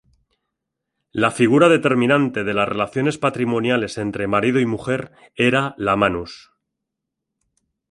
La figura determinante de las relaciones patrimoniales entre marido y mujer era la "manus".